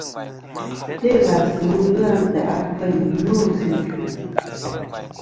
Telàsɨ ghɨ a ntè' afeyn nô sɨ idvɨ̀.